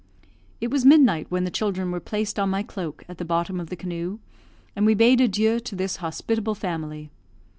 It was midnight when the children were placed on my cloak at the bottom of the canoe, and we bade adieu to this hospitable family.